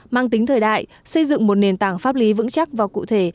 mang tính thời đại xây dựng một nền tảng pháp lý vững chắc và cụ thể